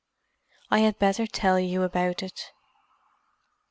"I had better tell you about it.